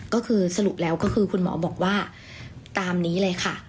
ก็คือสรุปแล้วก็คือคุณหมอบอกว่าตามนี้เลยค่ะ